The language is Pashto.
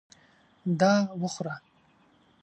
دا وخوره !